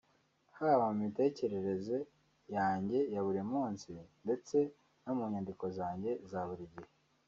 haba mu mitekerereze yanjye ya buri munsi ndetse no mu nyandiko zanjye za buri gihe